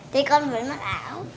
thế con vẫn mặc áo